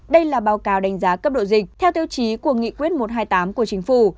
đây là báo cáo đánh giá cấp độ dịch theo tiêu chí của nghị quyết một trăm hai mươi tám của chính phủ